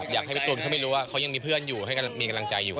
อยากให้พี่ตูนเขาไม่รู้ว่าเขายังมีเพื่อนอยู่ให้มีกำลังใจอยู่